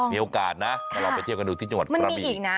มีโอกาสนะเราไปเที่ยวกันดูที่ประบีมันมีอีกนะ